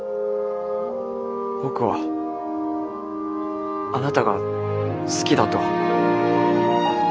僕はあなたが好きだと。